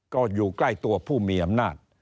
ก็อยู่ใกล้ตัวผู้มีอำนาจ